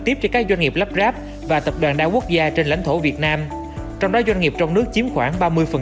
tiếp cho các doanh nghiệp lắp ráp và tập đoàn đa quốc gia trên lãnh thổ việt nam trong đó doanh nghiệp trong nước chiếm khoảng ba mươi